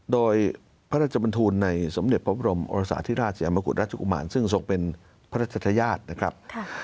โดยพระราชบันทูลในสมเด็จพระบรมโอรสาธิราชยามกุฎราชกุมารซึ่งทรงเป็นพระราชทายาทนะครับ